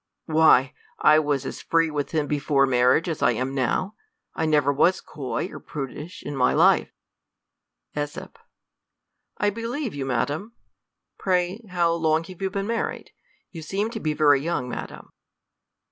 Why, I was as free with him before mar riage as I am now ; I never was coy or prudish in my life. ,^8. I believe you, madam; pray, how long have you been married? you seem to be very young, madam.